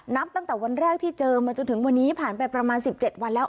นับตั้งแต่วันแรกที่เจอมาจนถึงวันนี้ผ่านไปประมาณ๑๗วันแล้ว